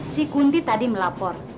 si kunti tadi melapor